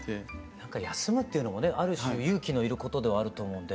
なんか休むっていうのもねある種勇気の要ることではあると思うんで。